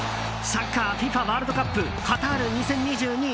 サッカーＦＩＦＡワールドカップカタール２０２２。